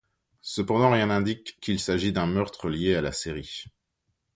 Cependant, rien n'indique qu'il s'agit d'un meurtre lié à la série.